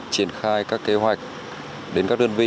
triển khai các kế hoạch đến các đơn vị